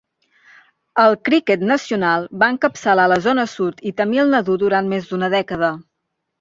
Al cricket nacional, va encapçalar la Zona Sud i Tamil Nadu durant més d'una dècada.